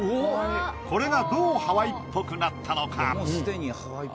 これがどうハワイっぽくなったのか？